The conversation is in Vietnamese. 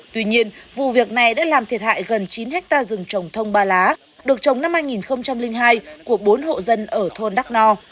tuy nhiên vụ việc này đã làm thiệt hại gần chín hectare rừng trồng thông ba lá được trồng năm hai nghìn hai của bốn hộ dân ở thôn đắk no